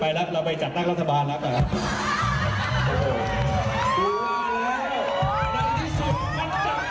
ไปละเราไปจัดตั้งรัฐบาลละไปนะครับ